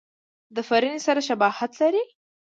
د فرني سره شباهت لري.